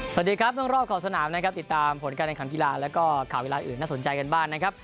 สวัสดีครับเรื่องรอบขอบสนามนะครับติดตามผลการแข่งขันกีฬาแล้วก็ข่าวกีฬาอื่นน่าสนใจกันบ้างนะครับ